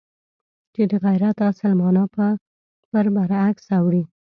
چې د غیرت اصل مانا پر برعکس اوړي.